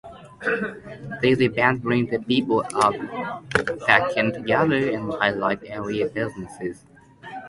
These events bring the people of Pekin together and highlight area businesses.